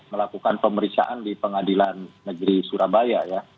melakukan pemeriksaan di pengadilan negeri surabaya ya